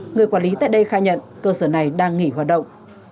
người quản lý tại đây khai nhận cơ sở này đang nghỉ hoạt động